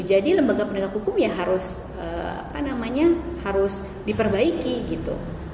jadi lembaga penegak hukum ya harus apa namanya harus diperbaiki gitu